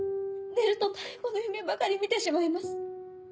寝ると妙子の夢ばかり見てしまいます。